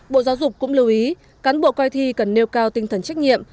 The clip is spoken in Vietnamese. bộ giáo dục cũng lưu ý cán bộ coi thi cần nêu cao tinh thần trách nhiệm